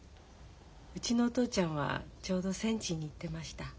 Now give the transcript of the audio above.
うちのお父ちゃんはちょうど戦地に行ってました。